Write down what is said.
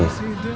atau lagi dong